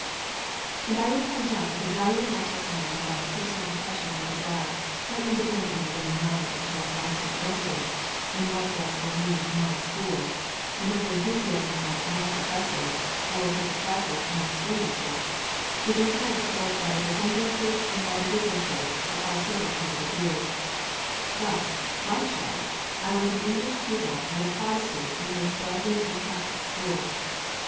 And I would point out that the value of my testimony about the personal impressions I derived, quite independently of any knowledge of Charlotte Brontë's residence in what was for me my school, and of her enthusiasm for my Professor, or her dislike of my schoolmistress, is enhanced both by the resemblances and by the differences of our several points of view. Thus like Charlotte I was an English pupil and a Protestant in this Belgian and Catholic school.